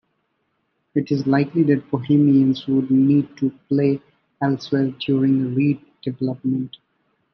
It is likely that Bohemians would need to play elsewhere during redevelopment.